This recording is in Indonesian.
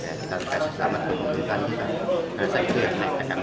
dan terima kasih selamat berhubungan dengan kita